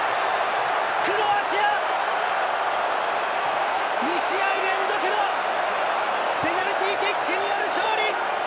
クロアチア、２試合連続のペナルティーキックによる勝利！